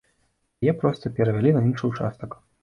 Яе проста перавялі на іншы ўчастак.